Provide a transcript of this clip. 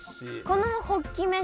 このホッキ飯